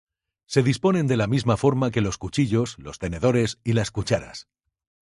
Se disponen de la misma forma que los cuchillos, los tenedores y las cucharas.